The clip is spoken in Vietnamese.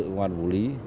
công an vũ lý